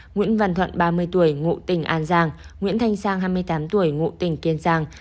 nguyễn văn thuận ba mươi tuổi ngụ tỉnh an giang nguyễn thanh sang hai mươi tám tuổi ngụ tỉnh kiên giang